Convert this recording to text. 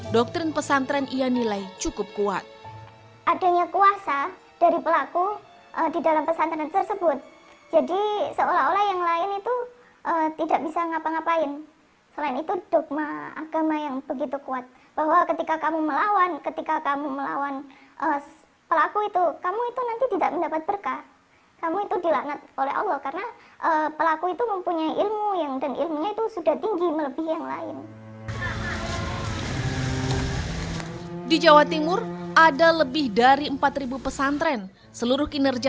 dia menginginkan saya menjadi pendampingnya